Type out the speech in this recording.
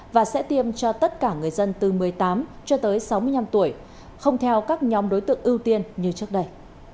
và sẽ tiêm cho tất cả người dân từ một mươi tám cho tới sáu mươi năm tuổi không theo các nhóm đối tượng ưu tiên như trước đây